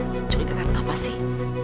mencurigakan apa sih